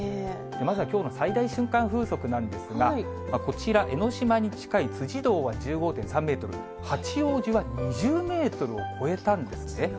まずはきょうの最大瞬間風速なんですが、こちら、江の島に近い辻堂は１５．３メートル、八王子は２０メートルを超えたんですね。